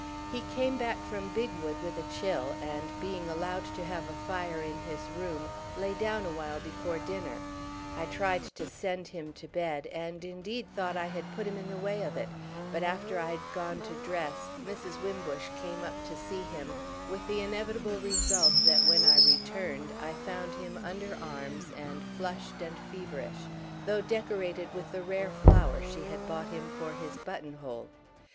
He came back from Bigwood with a chill and, being allowed to have a fire in his room, lay down a while before dinner. I tried to send him to bed and indeed thought I had put him in the way of it; but after I had gone to dress Mrs. Wimbush came up to see him, with the inevitable result that when I returned I found him under arms and flushed and feverish, though decorated with the rare flower she had brought him for his button hole.